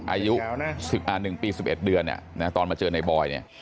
อายุ๑ปี๑๑เดือนตอนมาเจอในบอยเนี่ย